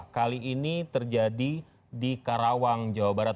kali ini terjadi di karawang jawa barat